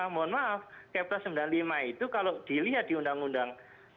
mohon maaf ke pres seribu sembilan ratus sembilan puluh lima itu kalau dilihat di undang undang dua belas sebelas